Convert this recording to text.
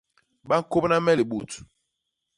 Ba ñkôbna me libut.